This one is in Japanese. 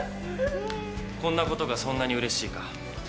こんなことがそんなにうれしいか。